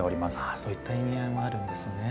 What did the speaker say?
そういった意味合いもあるんですね。